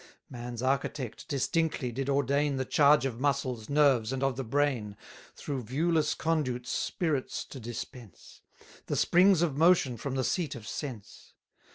Man's Architect distinctly did ordain The charge of muscles, nerves, and of the brain, Through viewless conduits spirits to dispense; The springs of motion from the seat of sense.